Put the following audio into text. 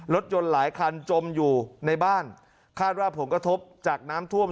รถยนต์หลายคันจมอยู่ในบ้านคาดว่าผลกระทบจากน้ำท่วม